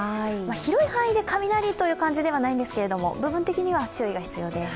広い範囲で雷という感じではないんですけど部分的には注意が必要です。